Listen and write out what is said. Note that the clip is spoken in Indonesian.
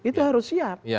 itu harus siap